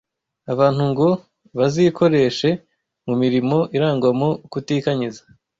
abantu ngo bazikoreshe mu mirimo irangwamo kutikanyiza